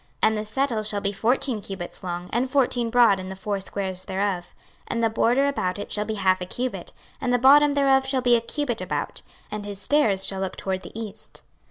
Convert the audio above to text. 26:043:017 And the settle shall be fourteen cubits long and fourteen broad in the four squares thereof; and the border about it shall be half a cubit; and the bottom thereof shall be a cubit about; and his stairs shall look toward the east.